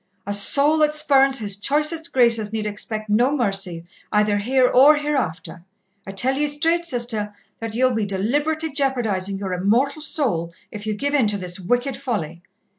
A soul that spurns His choicest graces need expect no mercy, either here or hereafter. I tell ye straight, Sister, that ye'll be deliberately jeopardizing your immortal soul, if ye give in to this wicked folly.